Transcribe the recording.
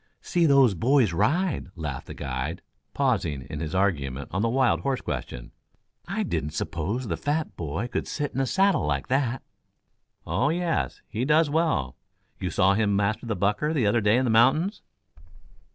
"See those boys ride," laughed the guide, pausing in his argument on the wild horse question: "I didn't suppose the fat boy could sit in a saddle like that." "Oh, yes; he does well. You saw him master the bucker the other day in the mountains?"